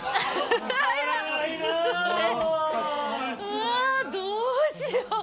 うわどうしよう！